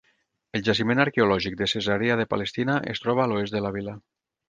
El jaciment arqueològic de Cesarea de Palestina es troba a l'oest de la vila.